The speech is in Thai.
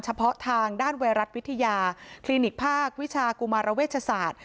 เฉพาะทางด้านไวรัสวิทยาคลินิกภาควิชากุมารเวชศาสตร์